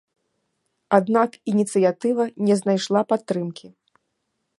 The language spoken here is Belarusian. Аднак ініцыятыва не знайшла падтрымкі.